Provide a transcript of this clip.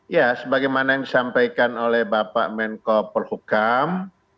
ya sebagaimana yang disampaikan oleh bapak menko polhukam